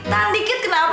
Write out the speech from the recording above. tahan dikit kenapa